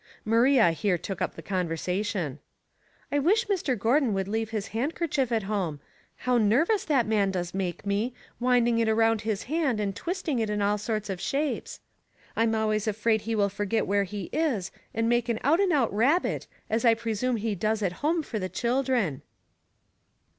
Maria here took up the conversation. " I wish Mr. Gordon would leave his hand kerchief at home; how nervous that man does Mistakes — Great and Small, 135 make me, winding it around his hand and twist ing it in all sorts of shapes. I'm always afraid he will forget where he is and make an out and out rabbit, as I presume he does at home for the children."